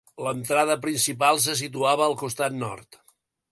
L’entrada principal se situava al costat nord.